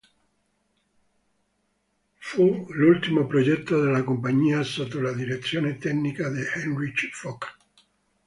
Fu l'ultimo progetto della compagnia sotto la direzione tecnica di Henrich Focke.